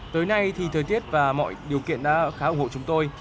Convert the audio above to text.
tới nay thì thời tiết và mọi điều kiện đã khá ủng hộ chúng tôi